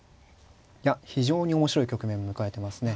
いや非常に面白い局面を迎えてますね。